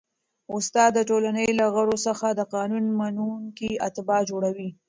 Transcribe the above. استاد د ټولني له غړو څخه د قانون منونکي اتباع جوړوي.